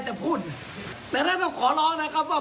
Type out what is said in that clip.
แต่พูดแต่ต้องขอร้องนะครับว่า